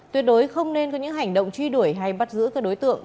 tuyệt đối không nên có những hành động truy đuổi hay bắt giữ các đối tượng